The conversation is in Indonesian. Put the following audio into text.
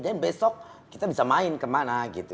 dan besok kita bisa main kemana gitu